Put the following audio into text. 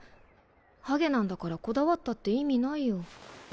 ハゲなんだからこだわったって意味ないよ。